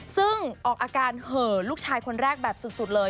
ซึ่งออกอาการเห่อลูกชายคนแรกแบบสุดเลย